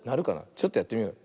ちょっとやってみよう。